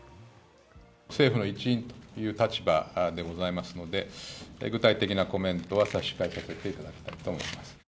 政府の一員という立場でございますので、具体的なコメントは差し控えさせていただきたいと思います。